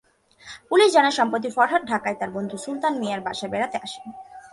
Police জানায়, সম্প্রতি ফরহাদ ঢাকায় তাঁর বন্ধু সুলতান মিয়ার বাসায় বেড়াতে আসেন।